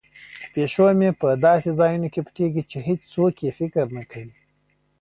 پیشو مې په داسې ځایونو کې پټیږي چې هیڅوک یې فکر نه کوي.